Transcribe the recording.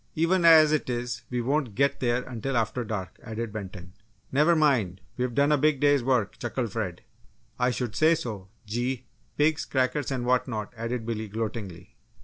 "Even as it is we won't get there until after dark!" added Benton. "Never mind, we've done a big day's work!" chuckled Fred. "I should say so! Gee! pigs, crackers, and whatnot!" added Billy, gloatingly.